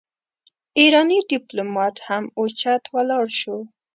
ايرانی ډيپلومات هم اوچت ولاړ شو.